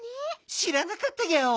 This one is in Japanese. しらなかったギャオ。